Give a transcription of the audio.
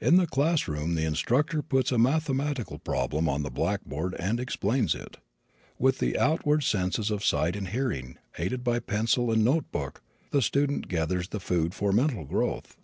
In the class room the instructor puts a mathematical problem on the blackboard and explains it. With the outward senses of sight and hearing, aided by pencil and notebook, the student gathers the food for mental growth.